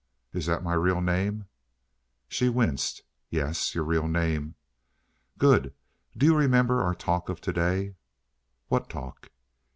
"Is that my real name?" She winced. "Yes. Your real name." "Good. Do you remember our talk of today?" "What talk?"